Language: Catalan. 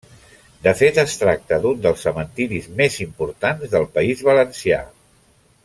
De fet, es tracta d'un dels cementeris més importants del País Valencià.